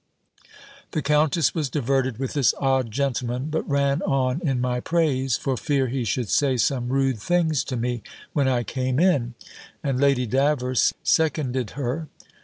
The countess was diverted with this odd gentleman, but ran on in my praise, for fear he should say some rude things to me when I came in; and Lady Davers seconded her.